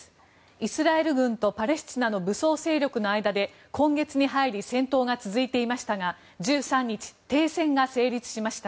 イスラエル軍とパレスチナの武装勢力の間で今月に入り戦闘が続いていましたが１３日、停戦が成立しました。